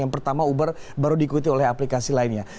yang pertama uber baru diikuti oleh aplikasi lainnya